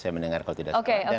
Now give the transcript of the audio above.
saya mendengar kalau tidak salah